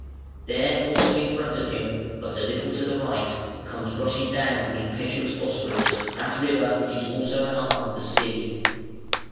There also in front of him, but a little to the right, comes rushing down the impetuous Bosphorus, that river which is also an arm of the sea.